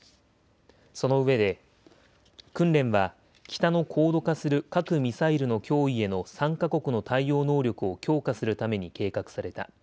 そのうえで訓練は北の高度化する核・ミサイルの脅威への３か国の対応能力を強化するために計画された。